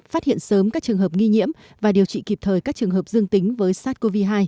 phát hiện sớm các trường hợp nghi nhiễm và điều trị kịp thời các trường hợp dương tính với sars cov hai